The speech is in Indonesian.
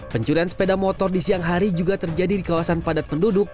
pencuri yang terjadi di sepeda motor di siang hari juga terjadi di kawasan padat penduduk